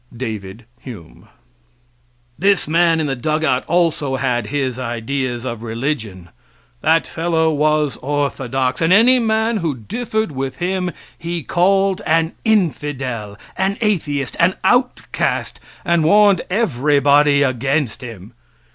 David Hume] This man in the dugout also had his ideas of religion that fellow was orthodox, and any man who differed with him he called an infidel, an atheist, an outcast, and warned everybody against him.